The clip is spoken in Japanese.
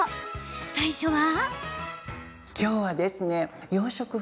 最初は。